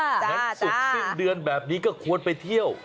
วันศุกร์สิ้นเดือนแบบนี้ก็ควรไปเที่ยว